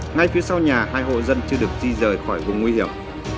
ngay phía sau nhà hai hộ dân chưa được di rời khỏi vùng nguy hiểm